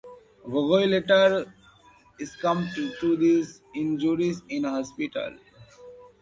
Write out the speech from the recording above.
Gogoi later succumbed to his injuries in hospital.